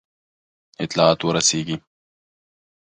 اطلاعات ورسیږي.